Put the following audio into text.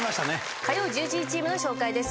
火曜１１時チーム紹介です。